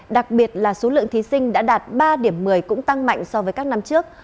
đặc biệt là số lượng thí sinh đã đạt ba điểm một mươi cũng tăng mạnh so với các năm trước